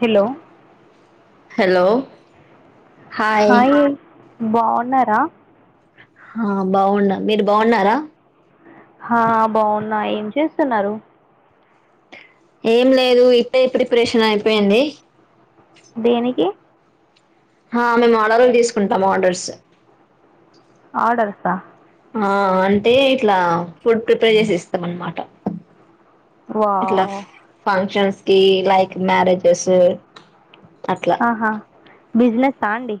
Hello hello hi బాగున్నారా ఆ బాగున్న మీరు బాగున్నారా హా బాగున్నా ఏం చేస్తున్నారు ఏం లేదు ఇప్పుడే ప్రేపరేషన్ అయిపోయింది దేనికి ఆ మేము ఆర్డర్లు తీసుకుంటాం ఆర్డర్స్ ఆర్డర్సా ఆ అంటే ఇట్లా ఫుడ్ ప్రిపేర్ చేసి ఇస్తాం అన్నమాట ఇట్లా వావ్ ఫంక్షన్స్ కి లైక్ మ్యారేజెస్ అట్లా ఆహా బిజినెస్ ఆ అండి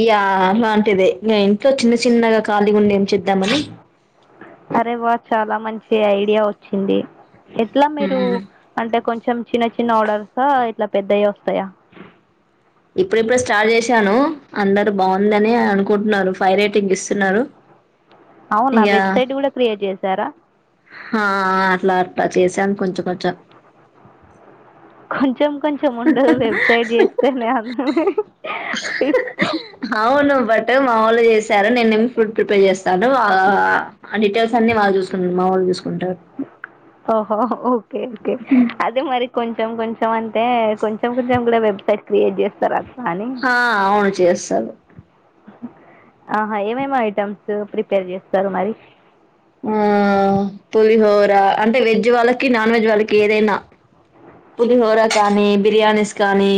ఇగా అట్లాందే ఇంట్లో చిన్న చిన్నగా ఖాళీగా ఉండి ఏం చేద్దామని అరే వా చాలా మంచి ఐడియా వచ్చింది ఎట్లా మీరు మ్మ్ అంటే కొంచెం చిన్న చి చిన్న ఆర్డర్సా ఇట్లా పెద్దయి వస్తాయా ఇప్పుడు ఇప్పుడు స్టార్ట్ చేసాను అందరు బాగుందని అనుకుంటున్నారు ఫైవ్ రేటింగ్ ఇస్తున్నారు అవునా ఇగ వెబ్సైట్ కూడా క్రియేట్ చేశారా ఆ చేసాను కొంచెం కొంచెం కొంచెం కొంచెం ఉండదు లే వెబ్సైట్ చేస్తేనే అందరు [inaudible] అవును బట్ మా వాళ్లు చేశారు నేనేమి ఫుడ్ ప్రిపేర్ చేస్తాను వా వా ఆ డిటెల్స్ అన్ని వాళ్ళు చూసుకుంటారు మావాళ్ళు చూ ఓహో ఓకే ఓకే అదే మరి కొంచెం కొంచం అంటే కొం కొంచెం కొంచెం కూడా వెబ్సైట్ క్రియేట్ చేస్తార అట్లా అని చాలు ఆహా ఏమేం ఐటమ్స్ ఫ్రీ ప్రిపేర్ చేస్తారు మరి ఇగ అంటే వెజ్ వాళ్ళకి నాన్ వెజ్ వాళ్ళకి ఏదైనా పులిహోర కానీ బిర్యానీస్ కానీ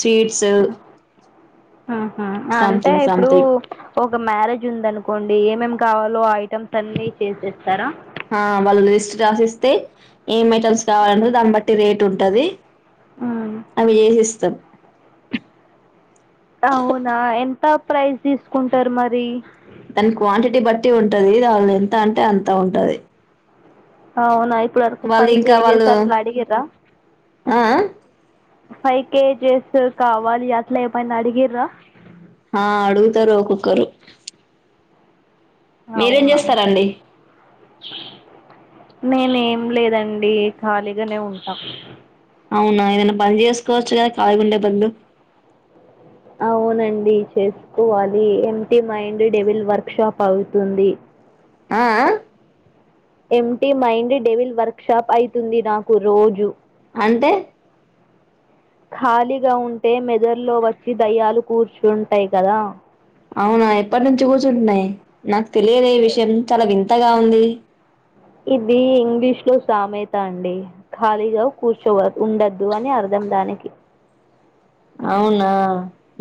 స్వీట్స్ ఆహ అంటే సంథింగ్ ఇప్పుడు సంథింగ్ ఒక మ్యారేజ్ ఉందను కోండి ఏమేం కావాలో ఆ ఐటెమ్స్ అన్ని ఆ వాళ్ళు లిస్ట్ రాసిస్తే ఏం ఐటమ్స్ కావాలంటే దాన్ని బట్టి రేట్ ఉంటాది హ్మ్. అవి చేసిస్తా తో సో ప్రైస్ తీసుకుంటారు మరి దాని క్వాంటిటీ బట్టి ఉంటాది వాళ్ళు ఎంత అంటే అంత ఉంటాది అవునా ఇప్పుడు వరకు ఫైవ్ ఇంకా కేజెస్ వాళ్ళు అట్లా అడిగిర్రా ఆ ఫైవ్ కేజెస్ కావాలి అట్లా ఏమైనా అడిగిర్రా ఆ అడుగుతారు ఒకొక్కరు అవునవును నేను ఏం లేదండి ఏ ఖాళీగానే ఉంటా అవునా ఏమన్నా పని చేసుకోవచ్చు కదా ఖాళీ గా ఉండే బదులు అవునండి చేసుకోవాలి empty mind devil workshop అవుతుంది ఆ empty mind devil workshop అయితుంది నాకు రోజు అంటే ఖాళీగా ఉంటే మెదల్లో వచ్చి దయ్యాలు కూర్చుంటాయి కదా అవునా ఎప్పటి నుంచి కూర్చుంటున్నాయి నాకు తెలిదే ఈ విషయం చాలా వింతగా ఉంది ఇది ఇంగ్లీష్ లో సామేత అండి ఖాళీగా కూర్చోవ ఉండద్దు అని అర్థం దానికి అవునా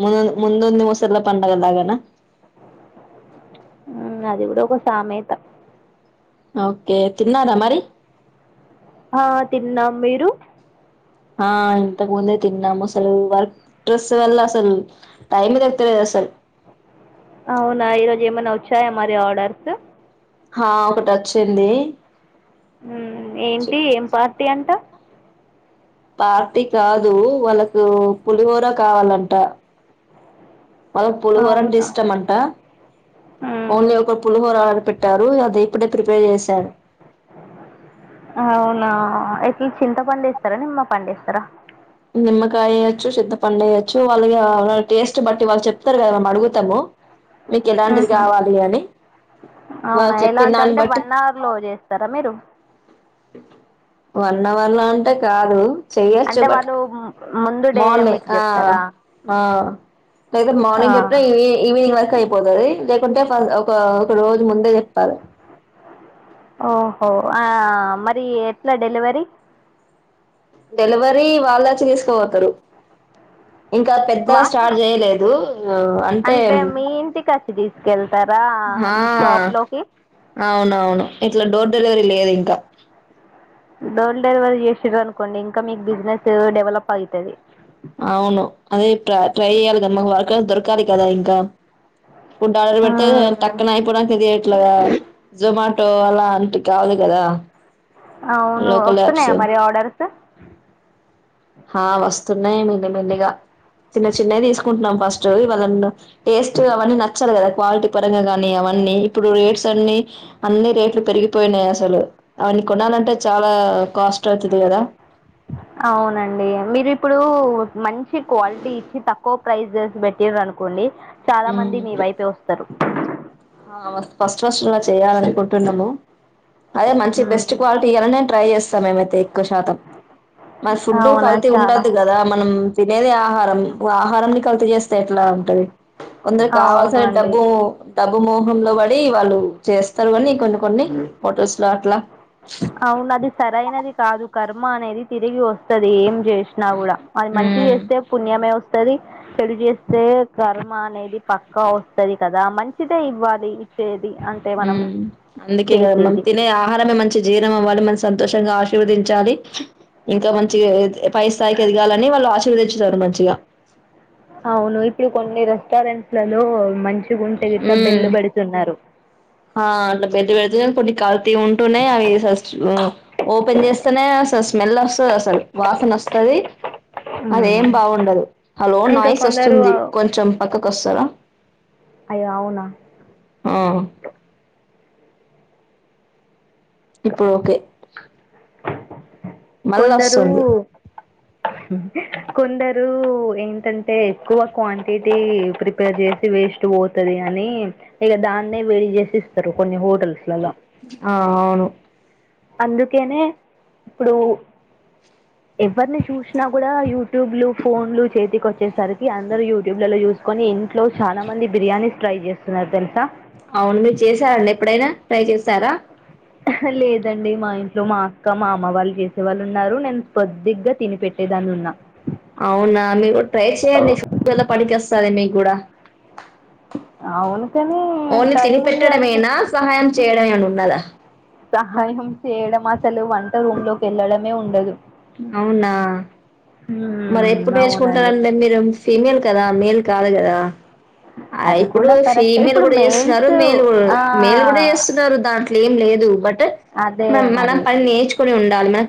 ముందు ముందు ఉంది ముసళ్ళ పండగ లాగన మ్మ్ అది కూడా ఒక సామెత ఓకే తిన్నరా మరి ఆ తిన్నాం మీరు ఆ ఇంత ముందే తిన్నాము అసలు వర్క్ స్ట్రెస్ వల్ల అసలు టైం తెలుస్తలేదు అసలు అవునా ఈరోజు ఏమైనా వచ్చాయా మరి ఆర్డర్స్ హా ఒకటి వచ్చింది ఉమ్ ఏంటి ఏం పార్టీ అంట పార్టీ కాదు వాళ్ళకు పులిహోర కావాలంట అ వాళ్ళకి పులిహోర అంటే ఇష్టం అంట మ్మ్ ఓన్లీ ఒక పులిహోర పెట్టారు అది ఇప్పుడు అవునా ఎట్లా చింతపండేస్తారా నిమ్మపండేస్తారా నిమ్మకాయ వేయచ్చు చింతపండు వేయచ్చు వాళ్లు ఇగ టేస్ట్ బట్టి వాళ్ళు చెప్తారు కదా అడుగుతాము అ మీకు ఎలాంటిది కావాలి అని అవునా వాళ్ళు చెప్పిన ఎలాంట దాన్ని అంటే బట్టి వన్ అవర్ లో చేస్తారా మీరు వన్ అవర్ లో అంటే కాదు చెయొచ్చు అంటే బట్ వాళ్ళు ము- ముందు డే మోర్నింగ్ మీకు ఆ చెప్తారా ఆ లేద ఆ మార్నింగ్ చెప్పిన ఈ ఈవినింగ్ వరకు అయి పోతుది లేకుంటే ఫస్ ఒక ఒక రోజు ముందే చెప్పాలి ఓహో ఆ మరి ఎట్లా డెలివరీ డెలివరీ వెళ్లొచ్చి తీసుకోపోతారు ఇంకా పెద్దగా వా స్టార్ట్ చేయలేదు అంటే ఆ మీ షోప్ లోకి అవునవును ఇట్లా డోర్ డెలివరీ లేదు ఇంకా డోర్ డెలివరీ చేసిర్రు అనుకోండి ఇంకా మీకు బిజినెస్ డెవలప్ అయితాది అవును అదే ట్రై చెయాలి కదా మాకు వర్కర్స్ దొరకాలి కదా ఇంకా ఫుడ్ ఆర్డర్ పెడితే టక్కన అయిపోడా ఇది ఎట్లా జొమాటో అలాంటి కావాలి కదా అవును లోకల్ వస్తున్నాయా యాప్స్ మరి ఆర్డర్స్ ఆ వస్తున్నాయి మెల్లిమెల్లిగా చిన్న చిన్నవి తీసుకుంటున్నాం ఫస్ట్ ఇవాళ టేస్ట్ అవన్నీ నచ్చాలి కదా క్వాలిటీ పరంగా కానీ అవన్నీ అ ఇప్పుడు రేట్స్ అన్ని అన్ని రేట్లు పెరిగిపోయినాయి అసలు అవన్ని కొనాలంటే చాలా కాస్ట్ అవుతది కదా అవునండి మీరు ఇప్పుడు మంచి క్వాలిటీ ఇచ్చి తక్కువ ప్రైసెస్ పెట్టిర్రనుకోండి అనుకోండి చాలా మంది మీ వైపే వస్తారు ఫస్ట్ ఫస్ట్ అలా చేయాలనుకుంటున్నము అదే మంచి హ్మ్. బెస్ట్ క్వాలిటీ ఇయాలనే ట్రై చేస్తా మేమైతే ఎక్కువ శాతం మన ఫుడ్డు అవునా కల్తీ చాలా ఉండొద్దు కదా మనం తినేదే ఆహారం ఆహారంని క చేస్త ఎట్లా ఉంటంది కొందరు అవును కావాల్సిన అండి డబ్బు డబ్బు మోహంలో పడి వాళ్ళు చేస్తారు కాని కొన్ని కొన్ని ఫొటోస్ లో అట్లా అవును అది సరైనది కాదు కర్మ అనేది తిరిగి వస్తుది ఏం చేసినా కూడా అది మంచి మ్మ్ చేస్తే పుణ్యమే వస్తుది చెడు చేస్తే కర్మ అనేది పక్కా వస్తుది కదా మంచిదే ఇవ్వాలి ఇచ్చేది అంటే మనం అందుకే కదా మనం చేసేది తినే ఆహారమే మంచి మంచి జీర్ణం అవ్వాలి మన సంతోషంగా ఆశీర్వదించాలి ఇంకా మంచి ఫైవ్ స్థాయికి ఎదిగాలని వాళ్ళు ఆశీర్వదించుతారు మంచిగా పిల్లల్లో మంచి ఉ ఆ బెట్టు పెడితే కొన్ని కల్తీ ఉంటున్నాయి అవి ఓపెన్ చేస్తేనే స్మెల్ వస్తుంది అసలు వాసన వస్తుంది అదేం బాగుండదు హలో ఇంకా నాయిస్ కొందరు వస్తుంది కొంచెం పక్కకు వస్తారా అయ్యో అవునా ఆ ఇప్పుడు ఓకే మళ్ళ కొందరు వస్తుంది కొందరు ఏంటంటే ఎక్కువ క్వాంటిటీ ప్రిపేర్ చేసి వేస్ట్ పోతదని ఈగ దాన్నే వేడి చేస్త ఇస్తారు కొన్ని హోటల్లలో ఆ అవును అందుకేనే ఇప్పుడు ఎవరిని చూసినా కూడా యూట్యూబ్ లు ఫోన్లు చేతికి వచ్చేసరికి అందరు యూట్యూబ్ లో చూసి చూసుకొని ఇంట్లో చాలా మంది బిర్యానీ ట్రై చేస్తున్నారు తెలుసా అవును మీరు చేసారండి ఎప్పుడైనా ట్రై చేస్తారా లేదండి మా ఇంట్లో మా అక్క మా అమ్మ వాళ్ళు చేస్తరు వాళ్ళు ఉన్నారు నేను కొద్దిగా తిని పెట్టేదాన్ని ఉన్నా అవునా మీరు ట్రై చేయండి ఫ్యూచర్లో పనికొస్తాది మీకు కూడా అవును కాని ఓన్లీ టైం తిని ఉంది అనుకో పెట్టడమేనా సహాయం చేయడమేనా ఉన్నదా సహాయం చేయడం అసలు వంట రూమ్ లోకి వెళ్ళడమే ఉండదు అవునా మరి హ్మ్ ఎప్పుడు అవునండి నేర్చుకుంటారంటే మీరు ఫీమేల్ కదా మేల్ కాదు కదా అది ఇప్పుడు కూడా కరెక్ట్ ఫీమేల్ ఇప్పుడు కూడా చేస్తున్నారు మెయిల్స్ మేల్ కూడా ఆ మేల్ కూడా చేస్తున్నారు దాంట్లో ఏం లేదు బట్ అదే మనం మరి పని నేర్చుకని ఉండాలి మన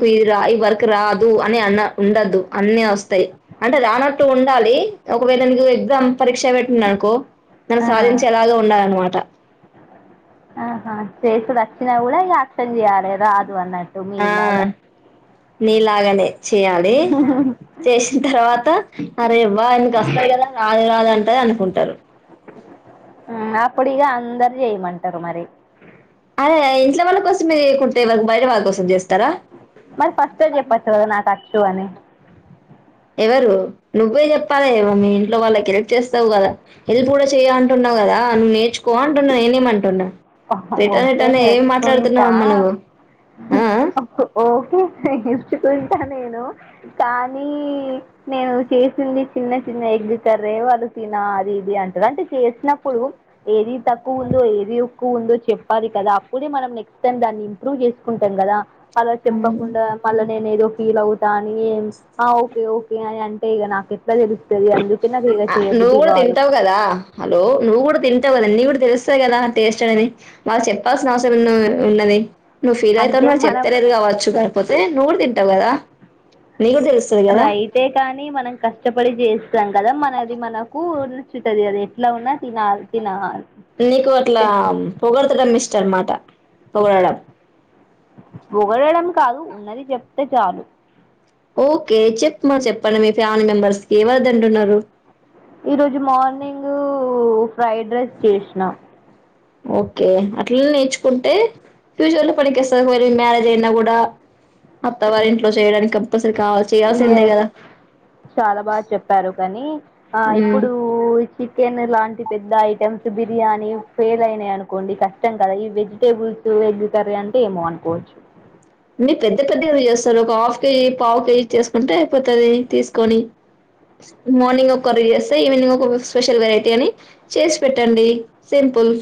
ఇది వర్క్ రాదు అని అన్న ఉండదు అన్న వస్తాయి అంటే రానట్టు ఉండాలి ఒకవేళ పిల్లలకు ఎగ్జామ్ పరీక్ష పెట్టింది అనుకో దాన్ని ఆ సాధించే అలాగా ఉండాలనమాట ఆహా చేసుడు వచ్చినా కూడా యాక్షన్ చేయాలి రాదు అన్నట్టు మీలాగా నీలాగనే చేయాలి చేసిన తర్వాత అరే ఇవా ఆయనకి వస్తాయి కదా రాదు రాదు అంట అనుకుంటారు అప్పుడు ఇగా అందరు చేయమంటారు మరి అదే ఇంట్లో వాళ్ళ కోసం చేయకుంటే బయట వాళ్ల కోసం చేస్తారా మరి ఫస్ట్ చెప్పచ్చు కదా నాకు వచ్చు అని ఎవరు నువ్వే చెప్పాలి మీ ఇంట్లో వాళ్ళకి హెల్ప్ చేస్తావు కదా హెల్ప్ కూడా చెయ్యి అంటున్నావు వచ్చు కదా నేర్చుకో అంటున్నా నేనేమి అంటున్నా రేట ఓకే రేటనే ఏం నేర్చుకుంటా మాట్లాడుతున్నావా నువ్వు ఆ ఓకే నేర్చుకుంటా నేను కానీ నేను చేసింది చిన్న చిన్న ఎగ్ కర్రీ చేయవలసిన అది ఇది అంటారు అంటే చేసినప్పుడు ఏది తక్కువ ఉందో ఏది ఎక్కువ ఉందో చెప్పాలి కదా అప్పుడే మనం నెక్స్ట్ టైం దాన్ని ఇంప్రూవ్ చేసుకుంటాం కదా మల్ల చెప్పకుండా మల్ల నేను ఏదో ఫీల్ అవుతాని ఏం ఓకే ఓకే అని అంటే ఇగా నాక నువ్వు గూడా కాదు తింటావు కదా హలో నువ్వు కూడా తింటావ కదా న తెలుస్తా కదా టేస్ట్ అనేది మాకు చెప్పాల్సిన అవసరం ఉన్నది నువ్వు ఫీల్ అంటే అయితవు అని మనం చెప్తలేదు గావచ్చు కాకపోతే నువ్వు కూడ తింటావు కదా నీకు కూడా తెలుస్తుంది కదా రైతే కానీ మనం కష్టపడి చేస్తాం కదా మనది మనకు అది ఎట్లా ఉన్నా తినాలి తినా నీకు అట్లా పొగడ్తలన్ మిస్ చన్మాట పొగడడం పొగడడం కాదు ఉన్నది చెప్తే చాలు ఓకే చెప్పమా చెప్పండి మీ ఫ్యామిలీ మెంబెర్స్కి ఎవరు దింటున్నారు ఈరోజు మార్నింగ్ ఫ్రైడ్ రైస్ చేసినా ఓకే అట్లనే నేర్చుకుంటే ఫ్యూచర్లో పనికొస్తది మ్యారేజ్ అయినా కూడా అత్తవారి ఇంట్లో చేయడానికి కంపల్సరీ కావాలి చేయాల్సిందే ఎస్ గదా! చాలా బాగా చెప్పారు కానీ ఆ హ్మ్. ఇప్పుడు చికెన్ లాంటి పెద్ద ఐటెమ్స్ బిర్యానీ ఫెయిల్ అయినాయి అనుకోండి కష్టం కదా ఈ వెజిటబుల్స్ వెజ్ కర్రి అంటే ఏమో అనుకోవచ్చు మీ పెద్ద పెద్ద ఎందుకు చేస్తన్నవ్ ఒక హాఫ్ కేజీ పావు కేజీ చేసుకుంటే అయిపోతది తీసుకొని మార్నింగ్ ఒక కర్రి చేస్తే ఈవినింగ్ ఒక స్పెషల్ వెరైటీ అని చేసి పెట్టండి సిం పుల్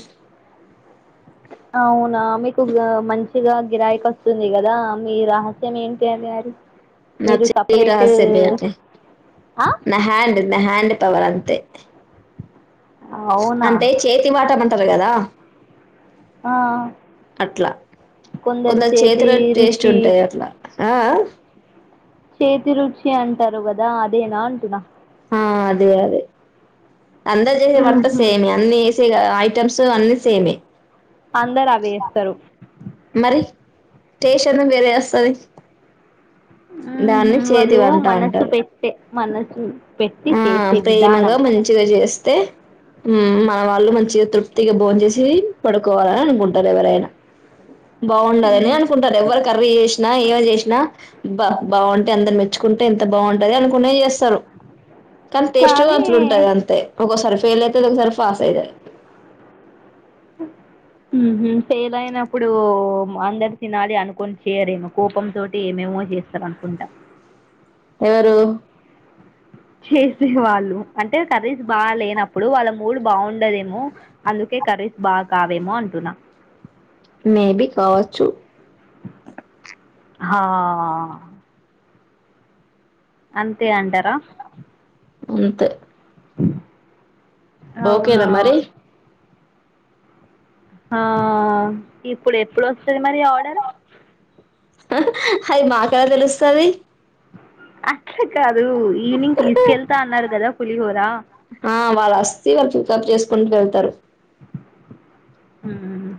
అవునా మీకు మంచిగా గిరాయికి వస్తుంది కదా మీ రహస్యం ఏంటి అండి అది నా మీరు చేతి సపరేట్ రహస్యమే అది ఆ నా హ్యాండ్ నా హ్యాండ్ పవర్ అంతే అవునా అంటే చేతి వాటం అంటారు కదా ఆ అట్లా కొందరి కొంత చేతి చేతిలో టేస్ట్ రుచి ఉంటాయి అట్లా ఆ చేతి రుచి అంటారు కదా అదేనా అంటున్నా ఆ అదే అదే అందరు చేసే వంట ఉహు సేమే అన్ని ఎసే గద ఐటమ్స్ అన్ని సేమే అందరు అవే వేస్తారు మరి టెస్ట్ అన్న మీరే ఎస్ సరే ఉహు దాన్ని చేతి వాళ్ళు వంట మనసు అంటారు పెట్టే మనసు పెట్టి ఆ చేసే ప్రేమగా విధానం మంచిగా చేస్తే మ్ వాళ్ళు మంచిగా తృప్తిగా భోన్ చేసి పడుకోవాలని అనుకుంటారు ఎవరైనా బావుండలనే ఉహు అనుకుంటారు ఎవ్వరు కర్రీ చే ఎవరు జేసినా బ బావుంటే అందరు మెచ్చుకుంటే ఎంత బావుంటది అనుకునే చేస్తరు కానీ టేస్ట్ అట్లు ఉంటది అంతే ఒక్కోసారి ఫెలయితది ఒకసారి ఫాస్ అయిదది హ ఫెయిల్ అయినప్పుడు అందరు తినాలి అనుకుని చెయరేమో కోపంతో తోటి మే మో చేస్తారనుకుంటా ఎవరు చేసేవాళ్ళు అంటే కర్రీస్ బా లేనప్పుడు వాళ్ళ మూడ్ బావుండదేమో అందుకే కర్రస్ బా కావేమో అంటున్నా మేబి కావచ్చు హా అంతే అంటారా అంతే అవునా ఓకేనా మరి ఆ ఇప్పుడు ఎప్పుడు వస్తది మరి ఆర్డర్ హయి మాక్ ఎలా తెలుస్తది అక్షిక ఈవినింగ్ తీసుకెళ్తా అన్నారు కదా పులిహోర తీసుకుంటూ వెళ్తారు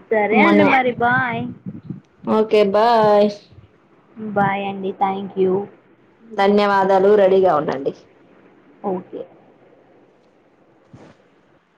సరే అన్న మనం మరి బాయ్ ఓకే బాయ్ బాయ్ అండి థ్యాంక్ యూ ధన్యవాదాలు రెడీగా ఉండండి ఓకె